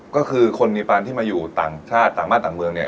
ก็คือคนในปานที่มาอยู่ต่างชาติต่างบ้านต่างเมืองเนี่ย